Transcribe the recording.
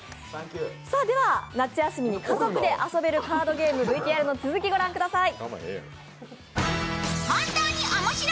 夏休みに家族で遊べるカードゲーム、ＶＴＲの続きを御覧ください。